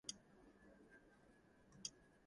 Haig thought Lloyd George "shifty and unreliable".